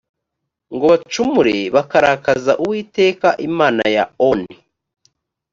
ngo bacumure bakarakaza uwiteka imana ya oni